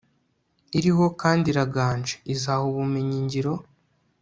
iriho kandi iraganje Izaha ubumenyi ngiro